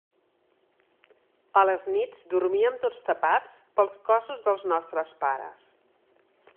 A les nits dormíem tots tapats pels cossos dels nostres pares.